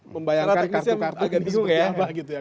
membayangkan kartu kartu agak bingung ya